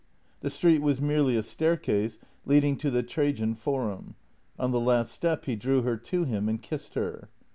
The street was merely a staircase, leading to the Trajan Forum. On the last step he drew her to him and kissed her.